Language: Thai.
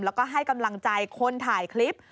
แล้วก็ให้กำลังใจคนถ่ายคลิป